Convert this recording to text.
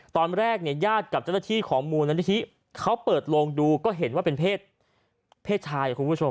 ตอนแรกญาติกับเจ้าหน้าที่ของมูลเจ้าหน้าที่เขาเปิดลงดูก็เห็นว่าเป็นเพศชาย